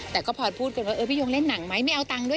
แต่ก็พลอยพูดกันว่าเออพี่ยงเล่นหนังไหมไม่เอาตังค์ด้วย